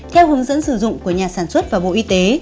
theo hướng dẫn sử dụng của nhà sản xuất và bộ y tế